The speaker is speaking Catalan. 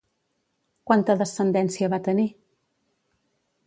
Quanta descendència va tenir?